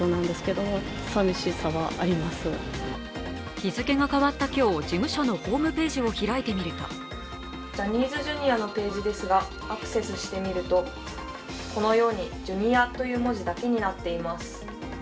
日付が変わった今日、事務所のホームページを開いてみるとジャニーズＪｒ．のページですがアクセスしてみると、このように「Ｊｒ．」という文字だけになっています。